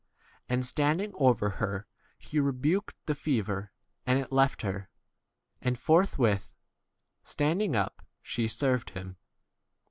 And standing over her, he rebuked the fever, and it left her; and forthwith standing up 40 she served them.